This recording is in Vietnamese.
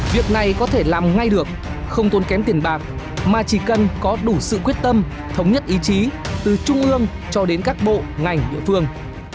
việc này có thể làm ngay được không tốn kém tiền bạc mà chỉ cần có đủ sự quyết tâm thống nhất ý chí từ trung ương cho đến các bộ ngành địa phương